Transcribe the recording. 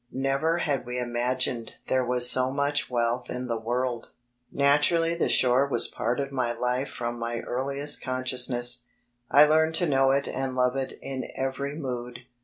Never had we imagined there was so much wealth in the world. (37I b, Google Naturally the shore was a pan of my life from my earli est consciousness. I learned to know it and love it in every mood.